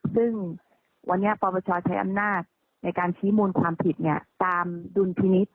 ซึ่งวันนี้ปปชใช้อำนาจในการชี้มูลความผิดตามดุลพินิษฐ์